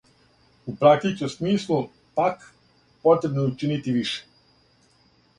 У практичном смислу, пак, потребно је учинити више.